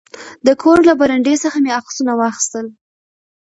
د کور له برنډې څخه مې عکسونه واخیستل.